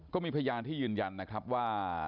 ก็มีพยานที่ยืนยันนะครับว่า